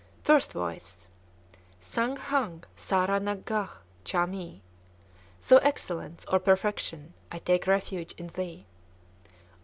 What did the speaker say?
First Voice. Sâng Khâng sârâ nang gâch' châ mi! (Thou Excellence, or Perfection! I take refuge in thee.)